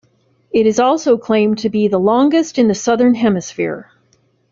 It is also claimed to be the longest in the southern hemisphere.